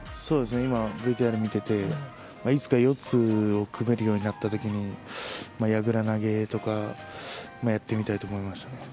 今、ＶＴＲを見ていていつか四つを組めるようになったときにやぐら投げとかやってみたいと思いました。